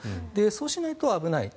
そうしないと危ない。